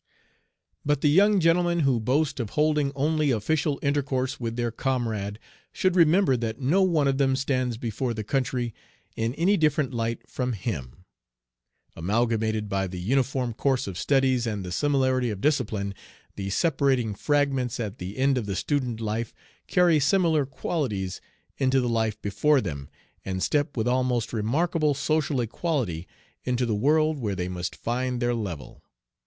"But the young gentlemen who boast of holding only official intercourse with their comrade, should remember that no one of them stands before the country in any different light from him. ... Amalgamated by the uniform course of studies and the similarity of discipline, the separating fragments at the end of the student life carry similar qualities into the life before them, and step with almost remarkable social equality into the world where they must find their level."